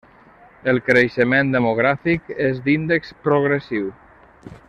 El creixement demogràfic és d'índex progressiu.